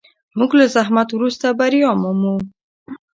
موږ له زحمت وروسته بریا مومو.